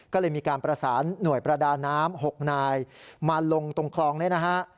ก็เลยมีการประสานหน่วยประดาน้ำ๖นายมาลงตรงคลองนี้นะฮะ